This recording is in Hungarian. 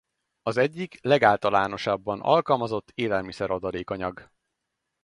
Az egyik legáltalánosabban alkalmazott élelmiszer-adalékanyag.